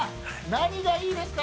◆何がいいですか。